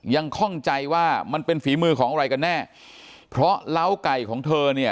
ข้องใจว่ามันเป็นฝีมือของอะไรกันแน่เพราะเล้าไก่ของเธอเนี่ย